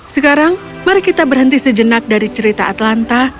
sekarang mari kita berhenti sejenak dari cerita atlanta